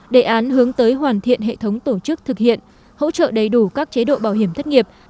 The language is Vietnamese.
đề án hướng tới hoàn thiện hệ thống tổ chức thực hiện hỗ trợ đầy đủ các chế độ bảo hiểm thất nghiệp